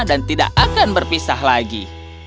dan tidak akan berpisah lagi